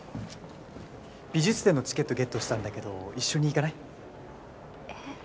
美術展のチケットゲットしたんだけど一緒に行かない？え。